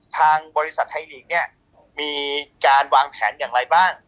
ทางบริษัทไทยลีกเนี่ยมีการวางแผนอย่างไรบ้าง